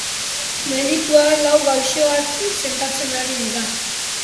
Medikuak lau gaixoak sendatzen ari dira.